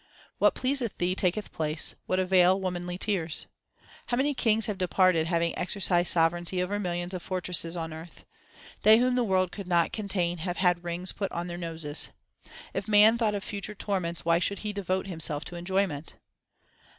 What pleaseth Thee taketh place ; what avail womanly tears ? How many kings have departed having exercised sove reignty over millions of fortresses on earth ? They whom the world could not contain have had rings put on their noses. 1 If man thought of future torments why should he devote himself to enjoyment